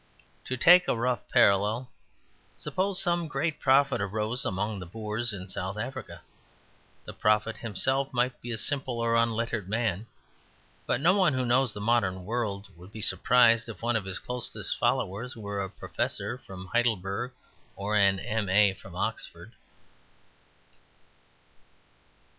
To take a rough parallel: suppose some great prophet arose among the Boers in South Africa. The prophet himself might be a simple or unlettered man. But no one who knows the modern world would be surprised if one of his closest followers were a Professor from Heidelberg or an M.A. from Oxford.